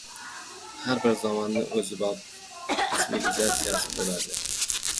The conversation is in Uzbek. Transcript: Har bir zamonni o‘zibop tsivilizatsiyasi bo‘ladi.